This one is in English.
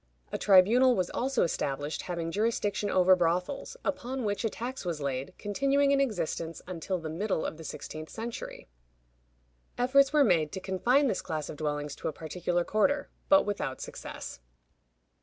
A tribunal was also established having jurisdiction over brothels, upon which a tax was laid, continuing in existence until the middle of the sixteenth century. Efforts were made to confine this class of dwellings to a particular quarter, but without success.